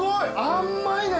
甘いね。